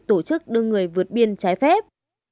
tổ chức đưa người vượt biên trái phép